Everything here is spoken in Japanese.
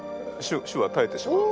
種はたえてしまう。